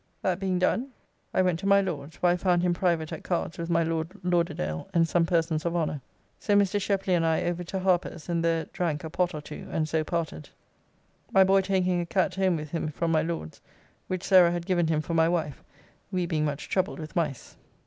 That being done I went to my Lord's, where I found him private at cards with my Lord Lauderdale and some persons of honour. So Mr. Shepley and I over to Harper's, and there drank a pot or two, and so parted. My boy taking a cat home with him from my Lord's, which Sarah had given him for my wife, we being much troubled with mice.